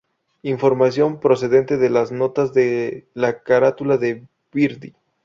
Información procedente de las notas de la carátula de "Birdy".